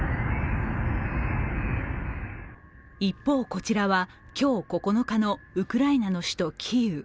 一方、こちらは今日９日のウクライナの首都キーウ。